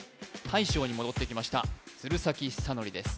大将に戻ってきました鶴崎修功です